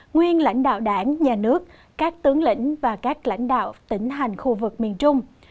nguyên lãnh đạo đảng nhà nước các tướng lĩnh và các lãnh đạo tỉnh hành khu vực miền trung